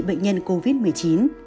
bệnh nhân covid một mươi chín